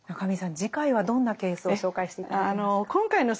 次回はどんなケースを紹介して頂けますか？